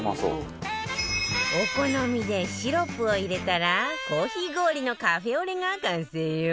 お好みでシロップを入れたらコーヒー氷のカフェオレが完成よ